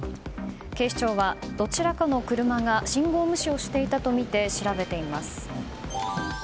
警視庁はどちらかの車が信号無視をしていたとみて調べています。